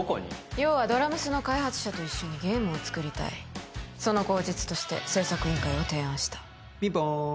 要はドラ娘の開発者と一緒にゲームを作りたいその口実として製作委員会を提案したピンポーン！